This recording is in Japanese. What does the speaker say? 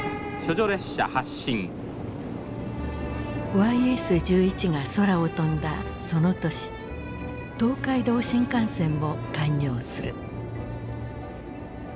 ＹＳ−１１が空を飛んだその年東海道新幹線も開業する。